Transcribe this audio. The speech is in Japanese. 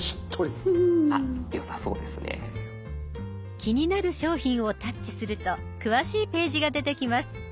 気になる商品をタッチすると詳しいページが出てきます。